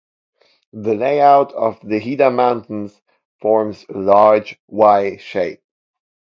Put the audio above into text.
The layout of the Hida Mountains forms a large Y-shape.